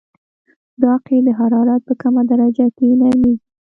دا قیر د حرارت په کمه درجه کې نرمیږي